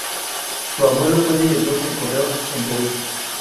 Su abuelo fue director de correos en Perú.